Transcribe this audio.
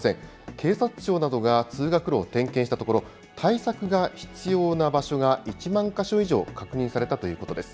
警察庁などが通学路を点検したところ、対策が必要な場所が１万か所以上確認されたということです。